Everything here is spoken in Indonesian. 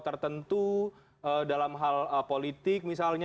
tertentu dalam hal politik misalnya